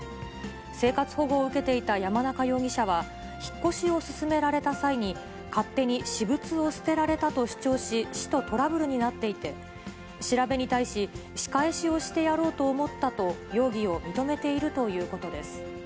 生活保護を受けていた山中容疑者は、引っ越しを勧められた際に、勝手に私物を捨てられたと主張し、市とトラブルになっていて、調べに対し、仕返しをしてやろうと思ったと、容疑を認めているということです。